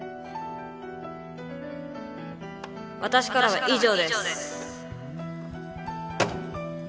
私からは以上です。